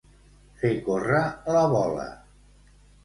Fer córrer la bola.